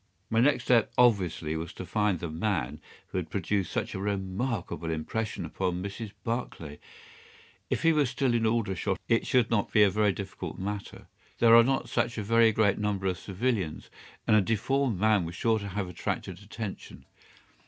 My next step obviously was to find the man who had produced such a remarkable impression upon Mrs. Barclay. If he were still in Aldershot it should not be a very difficult matter. There are not such a very great number of civilians, and a deformed man was sure to have attracted attention.